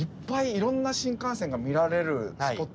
いろんな新幹線が見られるスポットなので。